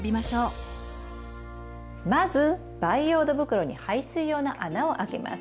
まず培養土袋に排水用の穴を開けます。